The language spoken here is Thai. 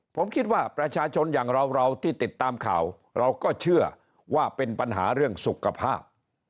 ผมคิดว่าประชาชนอย่างเราที่ติดตามข่าวเราก็เชื่อว่าเป็นปัญหาเรื่องสุขภาพ